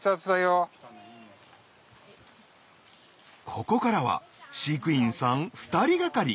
ここからは飼育員さん２人がかり。